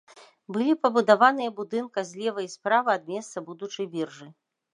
Былі пабудаваныя будынка злева і справа ад месца будучай біржы.